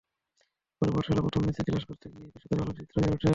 পরে পাঠশালার প্রথম ব্যাচে ক্লাস করতে গিয়েই পেশাদার আলোকচিত্রী হয়ে ওঠা।